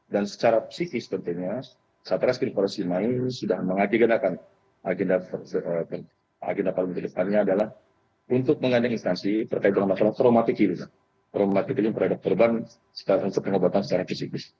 dan secara psikis tentunya setelah skrin polisi main sudah mengakibatkan agenda pariwisata depannya adalah untuk mengandung instansi terhadap korban secara psikis